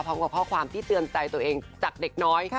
พร้อมกับข้อความที่เตือนใจตัวเองจากเด็กน้อย